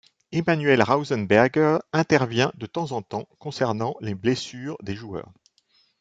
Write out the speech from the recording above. Emmanuel Rausenberger intervient de temps en temps concernant les blessures des joueurs.